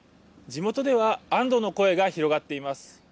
地元では安どの声が広がっています。